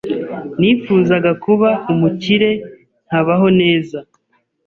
nifuzaga kuba umukire nkabaho neza,